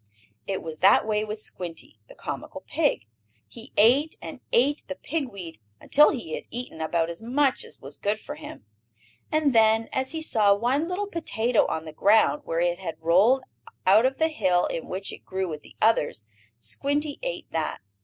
It was that way with Squinty, the comical pig. He ate and ate the pig weed, until he had eaten about as much as was good for him. And then, as he saw one little potato on the ground, where it had rolled out of the hill in which it grew with the others, Squinty ate that.